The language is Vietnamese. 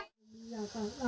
lễ cầu mưa